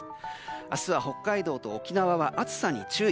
明日は北海道と沖縄は暑さに注意。